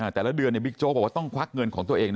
แต่ละเดือนบิ๊กโจ๊กบอกว่าต้องควักเงินของตัวเอง